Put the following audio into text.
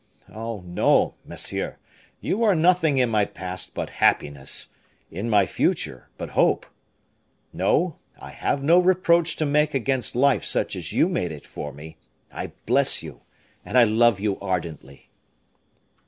Oh, no, monsieur! you are nothing in my past but happiness in my future but hope! No, I have no reproach to make against life such as you made it for me; I bless you, and I love you ardently."